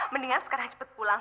mendingan sekarang cepet pulang